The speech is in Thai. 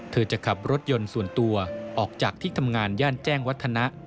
จะขับรถยนต์ส่วนตัวออกจากที่ทำงานย่านแจ้งวัฒนะ